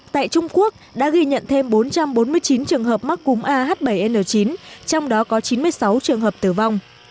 tại trung quốc đã ghi nhận thêm bốn trăm bốn mươi chín trường hợp mắc cúm ah bảy n chín trong đó có chín mươi sáu trường hợp tử vong